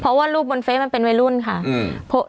เพราะว่ารูปบนเฟสมันเป็นวัยรุ่นค่ะ